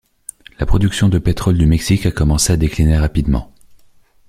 La production de pétrole du Mexique a commencé à décliner rapidement.